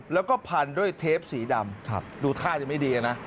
แล้วก็พันด้วยเทปสีดำดูท่าจะไม่ดีนะ